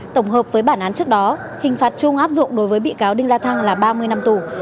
tổng hợp với bản án trước đó hình phạt chung áp dụng đối với bị cáo đinh la thăng là ba mươi năm tù